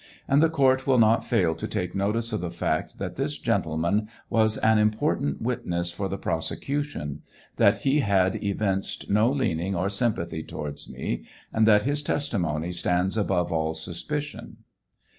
And the court will not fail to take notice of the fact that this gentleman was an important witness for the prose cution; that he had evinced no leaning or sympathy towards me, and that his testimony stands above all suspicion.